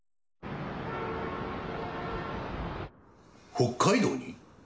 北海道に？